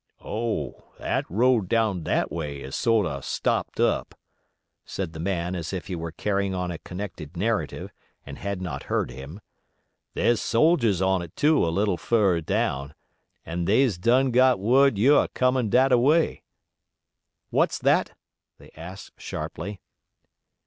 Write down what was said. "Oh! That road down that way is sort o' stopped up," said the man, as if he were carrying on a connected narrative and had not heard him. "They's soldiers on it too a little fur'er down, and they's done got word you're a comin' that a way." "What's that?" they asked, sharply.